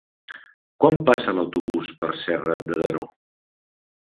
Quan passa l'autobús per Serra de Daró?